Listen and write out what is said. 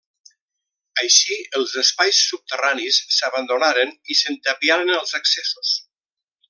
Així els espais subterranis s'abandonaren i se'n tapiaren els accessos.